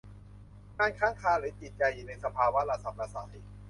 งานค้างคาหรือจิตใจอยู่ในสภาวะระส่ำระสาย